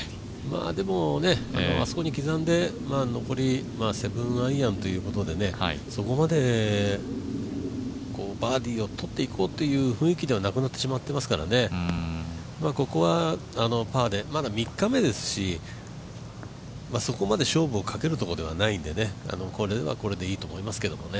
でもあそこに刻んで残り７アイアンということでそこまで、バーディーをとっていこうっていう雰囲気ではなくなってしまってますからここはパーでまだ３日目ですしそこまで勝負をかけるところではないのでこれはこれでいいと思いますけどね。